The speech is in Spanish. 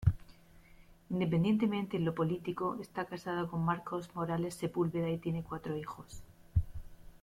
Independiente en lo político, está casada con Marcos Morales Sepúlveda y tiene cuatro hijos.